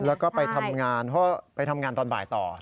แล้วก็ไปทำงานเพราะไปทำงานตอนบ่ายต่อ